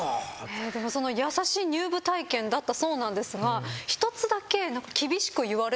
でもその優しい入部体験だったそうなんですが一つだけ。